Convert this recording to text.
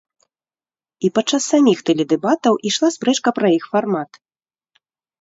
І падчас саміх тэледэбатаў ішла спрэчка пра іх фармат.